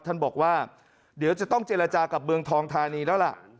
ท่านบอกว่าเดี๋ยวจะต้องเจรจากับเมืองทองธานีแล้วล่ะ